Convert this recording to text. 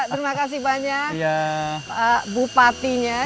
terima kasih banyak bupatinya